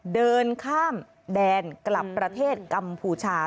เดินข้ามแดนกลับประเทศกัมพูชา